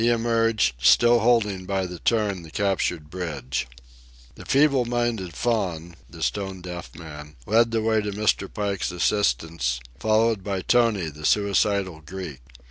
He emerged, still holding by the turn the captured bridge. The feeble minded faun (the stone deaf man) led the way to Mr. Pike's assistance, followed by Tony, the suicidal Greek.